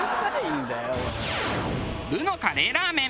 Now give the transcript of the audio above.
「流。」のカレーラーメン